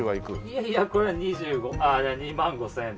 いやいやこれは２５２万５０００円です。